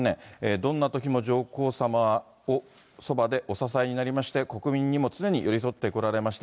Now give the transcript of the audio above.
どんなときも上皇さまをそばでお支えになりまして、国民にも常に寄り添ってこられました。